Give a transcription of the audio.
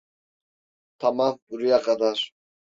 Tamam, buraya kadar.